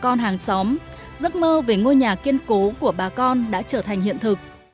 bà con hàng xóm giấc mơ về ngôi nhà kiên cố của bà con đã trở thành hiện thực